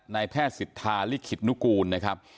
นายแพทย์สิทธาลิขิตนุกูลนะครับ